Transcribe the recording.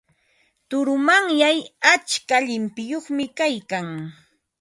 Turumanyay atska llimpiyuqmi kaykan.